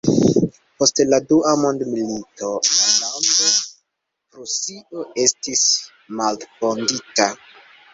Post la Dua Mondmilito la lando Prusio estis malfondita.